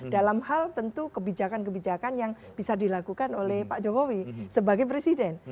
dalam hal tentu kebijakan kebijakan yang bisa dilakukan oleh pak jokowi sebagai presiden